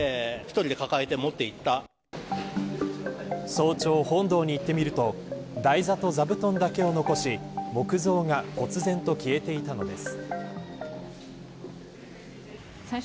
早朝、本堂に行ってみると台座と座布団だけを残し木像が忽然と消えていたのです。